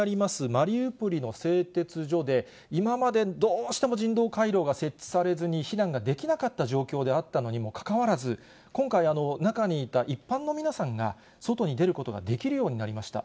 マリウポリの製鉄所で、今までどうしても人道回廊が設置されずに避難ができなかった状況ではあったのにもかかわらず、今回、中にいた一般の皆さんが外に出ることができるようになりました。